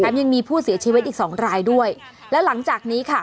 ยังมีผู้เสียชีวิตอีกสองรายด้วยแล้วหลังจากนี้ค่ะ